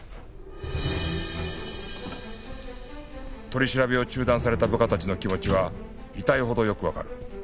取り調べを中断された部下たちの気持ちは痛いほどよくわかる